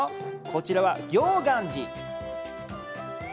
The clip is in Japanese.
こちらは行願寺。